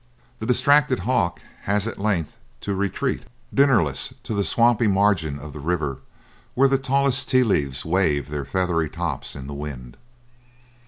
The distracted hawk has at length to retreat dinnerless to the swampy margin of the river where the tallest tea trees wave their feathery tops in the wind.